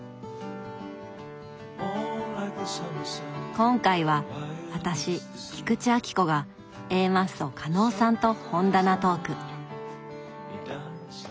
今回は私菊池亜希子がＡマッソ・加納さんと本棚トーク。